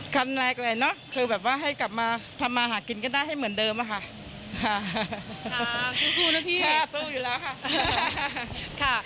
ขั้นแรกเลยเนอะคือแบบว่าให้กลับมาทำมาหากินก็ได้ให้เหมือนเดิมอะค่ะสู้นะพี่ค่ะสู้อยู่แล้วค่ะ